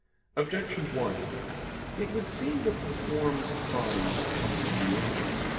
Objection 1: It would seem that the forms of bodies come from the angels.